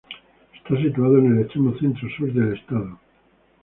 Está situado en el extremo centro-sur del estado.